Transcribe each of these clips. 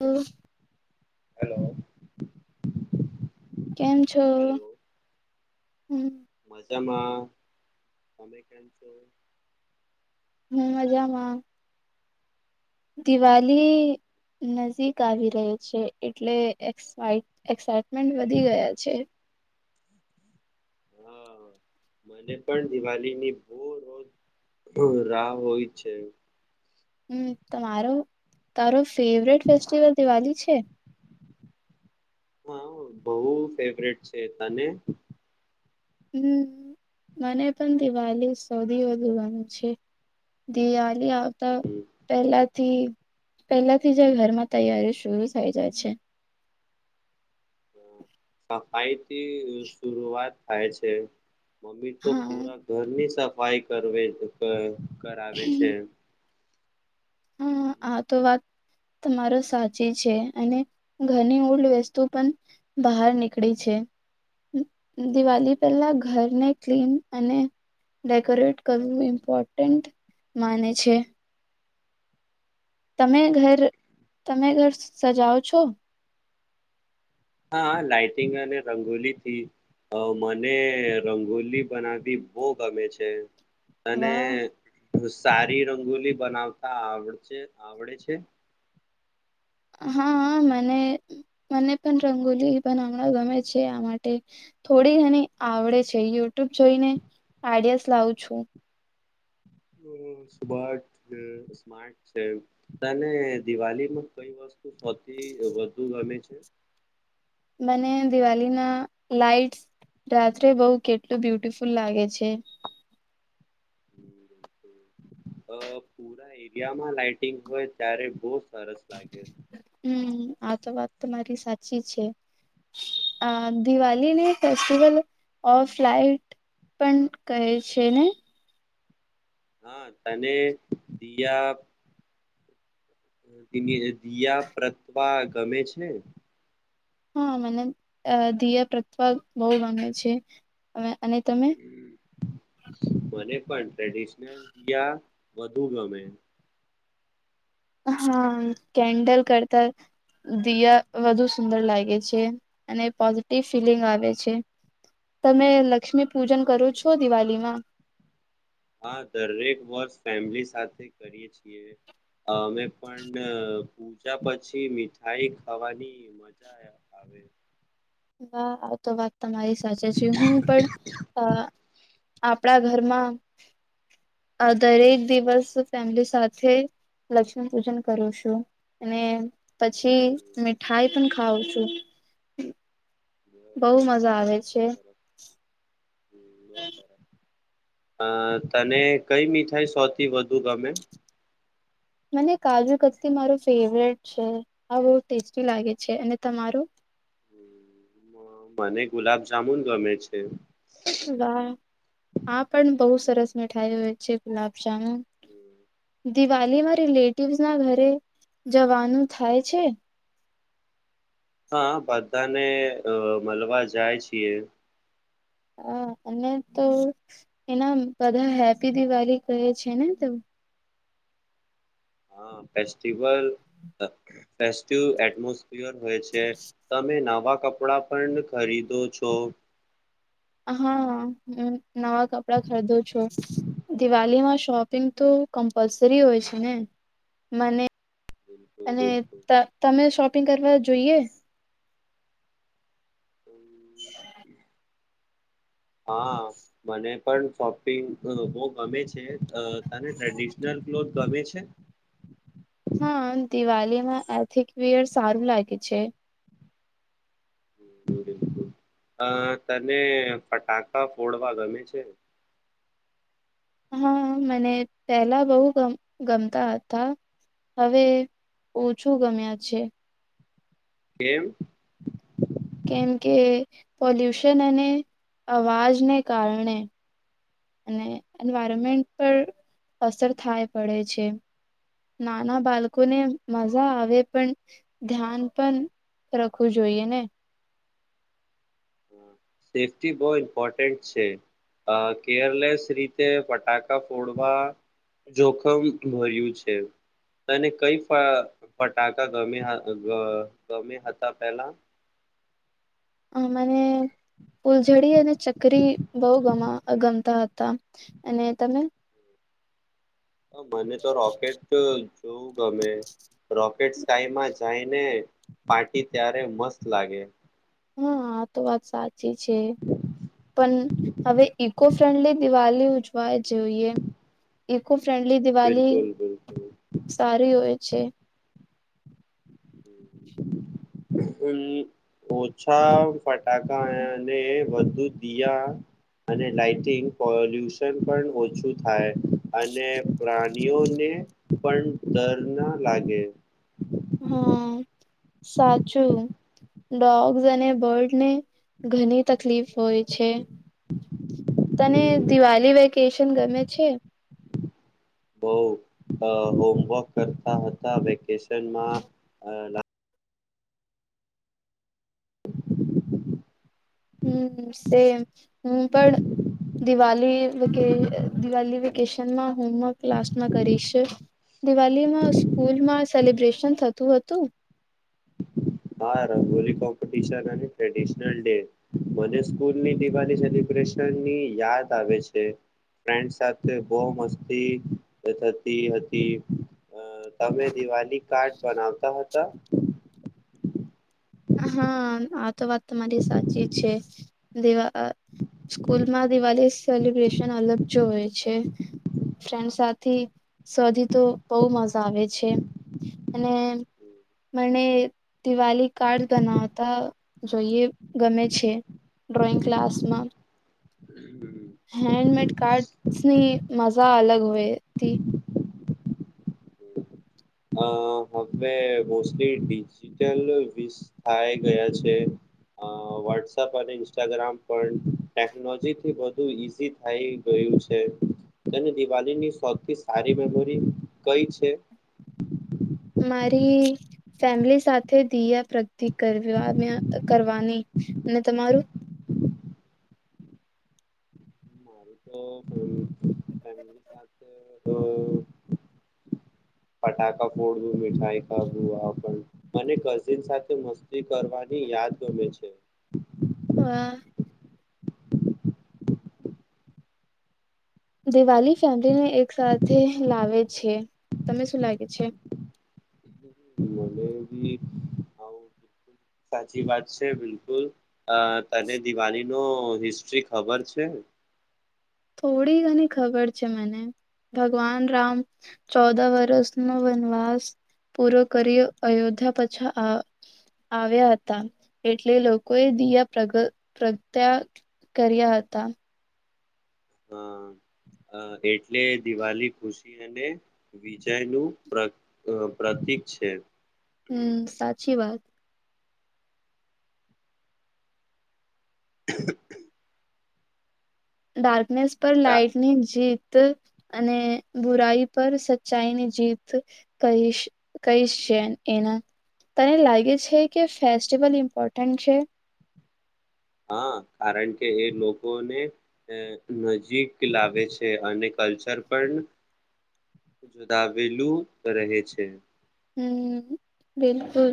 હમ. Hello કેમ છો? Hello હમ. મજામાં તમે કેમ છો? હમ મજામાં. દિવાલી નજીક આવી રહી છે, એટલે એ ન્ટ વધી ગયા છે. હા મને પણ દિવાળીની બહ રોજ રાહ હોય છે. હમ તમારો? તારો ફેવરેટ ફેસ્ટિવલ દિવાળી છે. હા બહ ફેવટ છે તને? હમ, મને પણ દિવાળી સૌથી વધુ ગને છ દિ આવતા પહેલા થી પેલા થી જ ઘરમાં તૈયારી શરુ થઈ જાય છે. [inaudible] [unintelligible] કેવી શુરૂઆત થાય છે. મમ્મી તો હા. પુરા ઘરની સાફ વાઈ કરવે તો કરે. કરાવે છે. હમ આ તો વાત તમાર સાચી છે અને ઘરની ઓલ્ડ વસ્તુ પણ બહાર નીકળી છે. દિવાલી પેલા ઘરને ક્લિન અને ડેકોરેટ કરવું ઇમ્પોર્ટન્ટ માને છે. તમે ઘર તમે ઘર સજાઓ છો? હા લાાઈટિંગ અને રંગોલી થી, અ મને રંગોલી બનાવી બહ ગમે છે. અને વાહ સારી રંગોલી બનાવતા આવડ છે આવડે છે. હા-હા મને-મને પણ રંગોલી બનાવવાનું ગમે છે, આ માટે થોડી ઘણી આવડે છે, યુટ્યુબ જોઈને આઈડિયાસ લાવું છું. અ સ્માર્ટ છે સ્માર્ટ છે તને દિવાલિમાં કઈ વસ્તુ સૌથી વધુ ગમે છે [inaudible] મને દિવાલી ના લાઈટસ રાત્રે બો કેટલું બ્યુટિફુલ લાગે છે. અ પુરા ઇન્ડિયામાં લાાઈટિંગ હોય ત્યારે બો સરસ લાગે. હમ આ તો વાત તમારી સાચી છે, આ દિવાલીને ફેસ્ટિવલ ઓ લઇટ પણ કહે છે ને. હા તને દિયા [unintelligible] દિયા [unintelligible] ગમે છે. હા મને દિયા [unintelligible] બહુ ગમે છે, અને તમે મને પણ. ટ્રેડિશનલ યા વધુ ગમે. હા કેન્ડલ કરતા દિયા વધુ સુંદર લાગે છે અને પોઝિટિવ ફિલિંગ આવે છે. તમે હમ લક્ષ્મી પૂજન કરો છો દિવાલીમાં? હા દરેક વર્ષ ફેમલી સાથે કરીએ છીએ અમે પણ પૂજા પછી મીઠાઈ ખાવાની મજા આવે. [unintelligible] તમારી સાચે છે હું પણ અ આપણા ઘરમાં અ દરેક દિવસ ફેમિલી સાથે લક્ષ્મી પૂજન કરું છું અને પછી હમ, મીઠાઈ પણ ખાવ છું. બવ બહુ મજા આવે છે. બો સારા અ તને કઈ મીઠાઈ સૌથી વધુ ગમે? મને કાજુ કત્લી મારો ફેવરેટ છે આ બવ ટેસ્ટી લાગે છે અને તમારું? હમ, મને ગુલાબજામુન ગમે છે. વાહ આ પણ બવ સરસ મિઠાઈ હોય છે ગુલાબ જામુન. હમ્મ. દિવાલીમાં રિલેટિવ્સ ના ઘરે જવાનું થાય છે? હા બધાને અ મલવા જાય છીએ. હા અને તો એના બધા હેપ્પી દિવાલી કહે છે ને તો હા. ફેસ્ટિવલ [unintelligible] હોય છે તમે નાવા કપડા પણ ખરીદો છો. હા, હું નવા કપડાં ખરીદુ છું. દિવાલીમાં શોપિંગ તો કમ્પલસરી હોય છે ને, મને બિલકુલ અને બિલકુલ ત તમે શો પિંગ કરવા જોઈએ? હા મને પણ શોપિંગ બો ગમે છે તને ટ્રેડિશનલ ક્લોથ ગમે છે? દિવાલીમાં એથિકવિયર સારું લાગે છે. [unintelligible] અ તને ફટાકા ફોડવા ગમે છે? હા મને પેલા બવ ગમ ગમતા હતા હવે ઓછું ગમ્યા છે. કેમ? કેમ કે પોલ્યુશન અને અવાજને કારણે. અને એન્વાયરમેન્ટ પર અસર થાય પડે છે. સેફ્ટી બો ઇમ્પોર્ટન્ટ છે અ કેરલેસ રીતે ફટાકા ફોડવા જોખમ ભર્યું છે અને કઈ અ ફટાકા ગમ્યા ગ ગમ્યા હતા પેલા? અ મને ફૂલઝડી અને ચકરી બઉ ગમ. આ ગમતા હતા અને તમે. મને તો રોકેટ જ. બઉ ગમે રોકેટ સ્કાયમાં જાયને પારટી ત્યારે મસ્ત લાગે. હમ્મ આ તો વાત સા ચી છે પણ હવે એક. ઇકો ફ્રેન્ડલી દિવાળ ઉજવાય જોઈએ ઇકો. ફ્રેન્ડલી દિવાલી બિલકુલ બિલકુલ સારી હોય. છે. હમ્મ બઉ ઓછા ફટાકા અ અને વ તો દિયા અને લઇટિંગ પોલ્યુશન પણ ઓછું થાય અને પ્રાનીઓને પણ ડર ના લાગે. હમ સાચું ડોગ્સ અને બર્ડ ને ઘણી તકલીફ હોય છે. તને દિવાળી વે કેશન ગમે છે. બઉ અ હોમવર્ક કરતા હતા વેકેશનમાં અ હમ સેમ હું પણ દિવાલી કે દિવાલી વેકેશનમાં હોમવર્ક ક્લાસમાં કરીશ દિવાલીમાં સ્કૂલમાં સેલિબ્રેશન થતું હતું. આ રંગોલી કોમ્પિટશન અને ટ્રેડિશનલ ડે મને સ્કૂલની દિવાલી સેલબ્રેશનની યાદ આવે છે ફ્રેન્ડ્સ સાથે બઉ મસ્તી થતી હતી અ તમે દિવાલી કાર્ડ બનાવતા હતા. હા આ તો વાત તમારી સાચી છે દિવા અ સ્કૂલમાં દિવાળી સેલિબ્રેશન અલગ જોએ છે ફ્રેન્ડ સાથે શોધી તો બઉ મજા આવે છે અને મને દિવાળી કાર્ડ બનાવતા જોઈએ ગમે છે ડ્રોઈંગ ક્લાસમાં હેન્ડમેડ કાર્ટસની મજા અલગ હોય તી. અ હવે મોસ્ટલી ડિજિટલ વિઝ થાય ગયા છે અ વોટ્સપ અને ઇન્સ્ટાગ્રામ પણ ટેકનોજીથી વધુ ઈઝી થય ગયું છે તે દિવાલી ની સૌથી સારી મેમોરી કઈ છે? મારી ફેમલી સાથે દિયા પ્રગતિ કરવાના કરવાની અને તમારું મારી તો [unintelligible] ફેમિલી સાથે તો ફટાકા ફોડું મીઠાઈ ખાધું આ પણ અને કઝીન સાથે મસ્તી કરવાની યાદ ગમે છે. વાહ. દિવાલી ફેમલીને એક સાથે લાવે છે તમને શું લાગે છે? મને બી આવું સાચી વાત છે બિલકુલ અ તને દિવાળી નો હિસ્ટ્રી ખબર છે? થોડી ઘણી ખબર છે મને ભગવાન રામ ચૌદ વરસ નો વનવાસ પૂરો કર્યો અયોધ્યા પાછા આવ આવ્યા હતા એટલે લોકોએ દિયા પ્રગ પ્રગટ્યા કર્યા હતા અ અ એટલે દિવાલી ખુશી અને વિજય નું પ્ર પ્રતિક છે હમ સાચી વાત [unintelligible] [inaudible] નેસ પર લાઇટની જીત તું અને બુરાઈ પર સચ્ચાઈની જીત કહીશ કહીશ છે એના તને લાગે છે કે ફેસ્ટિવલ ઇમ્પોર્ટન્ટ છે હા કારણ કે એ લોકોને અ નજીક લાવે છે અને કલ્ચર પણ જુદાવેલું રહે છે હમ બિલકુલ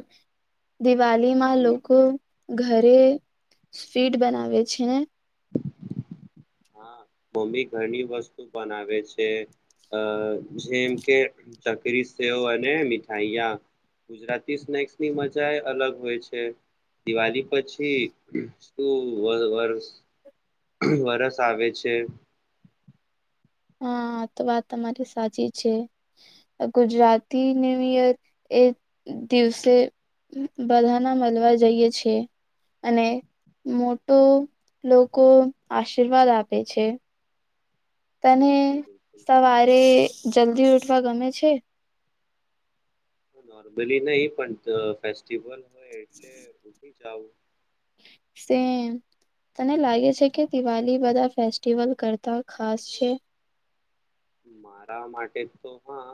દિવાલીમાં લોકો ઘરે સ્વીટ બનાવે છે ને હા મમ્મી ઘણી વસ્તુ બનાવે છે અ જેમ કે ચકરી સેવ અને મીઠાઈયા ગુજરાતી સ્નેક્સની મજા એ અલગ હોય છે દિવાળી પછી શું વર વરસ વરસ આવે છે હા તો વાત તમારી સાચી છે ગુજરાતી ન્યૂ ઈયર એ દિવસે બધાના મળવા જઈએ છે અને મોટો લોકો આશીર્વાદ આપે છે તને બિલકુલ બિલકુલ સવારે જલ્દી ઉઠવા ગમે છે? નોર્મલી નહી પણ અહ જીવન હોય એટલે જાઓ તને લાગે છે કે દિવાળી બધા ફેસ્ટિવલ કરતા ખાસ છે? મારા માટે તો હા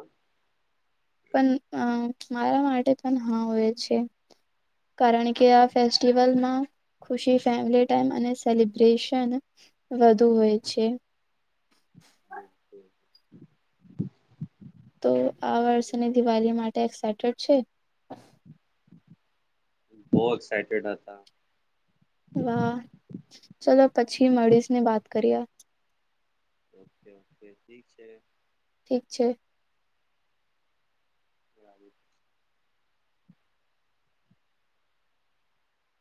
પણ અમ મારા માટે પણ હા હોય છે કારણ કે આ ફેસ્ટિવલમાં ખુશી, ફેમિલી ટાઈમ અને સેલિબ્રેશન વધુ હોય છે [inaudible] તો આ વર્ષની દિવાળી માટે એક્સાઈટેડ છે? બવ એક્સાયટેડ હતા વાહ ચલો પછી મળીશ ને વાત કરી્યા ઓકે ઓકે ઠીક છે ઠીક છે [unintelligible]